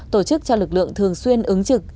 tổ chức cho lực lượng thường xuyên ứng trực